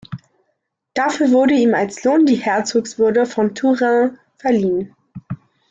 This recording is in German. Dafür wurde ihm als Lohn die Herzogswürde von Touraine verliehen.